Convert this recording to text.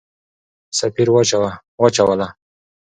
په سفیر واچوله.